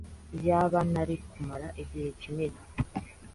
Iyaba ntari kumara igihe kinini!